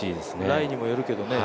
ライにもよるけどね。